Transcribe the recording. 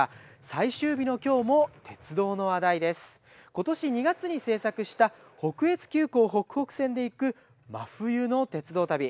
今年２月に制作した北越急行ほくほく線で行く真冬の鉄道旅。